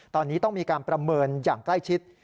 ตอนนี้ต้องมีการประเมินอย่างใกล้ชิด